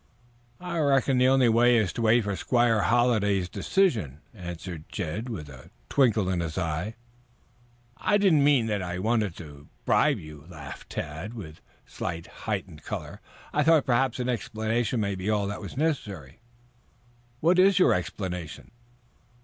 "I reckon the only way is to wait for Squire Halliday's decision," answered Jed with a twinkle in his eyes. "I didn't mean that I wanted to try to bribe you," laughed Tad, with slightly heightened color. "I thought perhaps an explanation might be all that was necessary." "What is your explanation?"